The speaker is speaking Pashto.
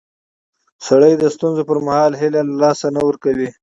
سړی د ستونزو پر مهال هیله له لاسه نه ورکوي